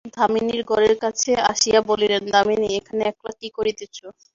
দামিনীর ঘরের কাছে আসিয়া বলিলেন, দামিনী, এখানে একলা কী করিতেছে?